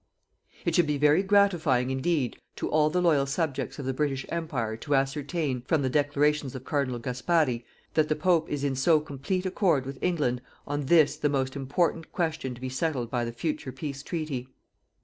It should be very gratifying indeed to all the loyal subjects of the British Empire to ascertain, from the declarations of Cardinal Gasparri, that the Pope is in so complete accord with England on this the most important question to be settled by the future peace treaty.